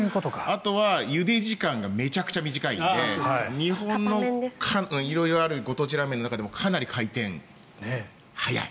あとはゆで時間がめちゃくちゃ短いので日本の色々あるご当地ラーメンの中でもかなり回転が速い。